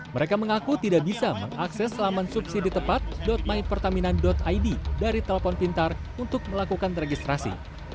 mereka mengaku tidak bisa mengakses laman subsiditepat mypertamina id dari telepon pintar untuk melakukan registrasi